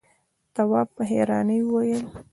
تواب په حيرانۍ وويل: